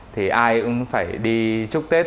thì ai cũng phải đi chúc tết